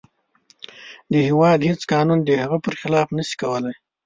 د هیواد هیڅ قانون د هغه پر خلاف نشي کولی.